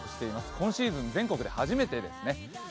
今シーズン全国で初めてですね。